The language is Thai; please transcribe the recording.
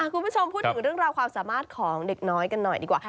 คุณผู้ชมพูดถึงเรื่องราวความสามารถของเด็กน้อยกันหน่อยดีกว่า